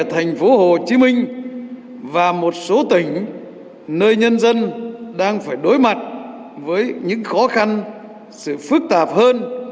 thành phố hồ chí minh và một số tỉnh nơi nhân dân đang phải đối mặt với những khó khăn sự phức tạp hơn